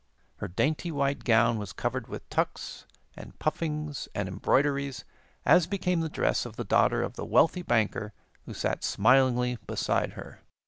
Her dainty white gown was covered with tucks and puffings and embroideries, as became the dress of the daughter of the wealthy banker who sat smilingly beside her.